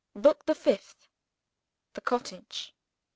BOOK THE FIFTH THE COTTAGE.